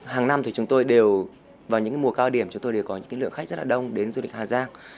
hàng năm thì chúng tôi đều vào những mùa cao điểm chúng tôi đều có những lượng khách rất là đông đến du lịch hà giang